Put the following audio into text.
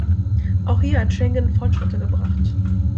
Auch hier hat Schengen Fortschritte gebracht.